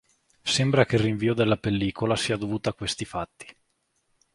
Sembra che il rinvio della pellicola sia dovuta a questi fatti.